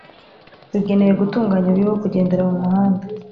bigenewe gutunganya uburyo bwo kugendera mu muhanda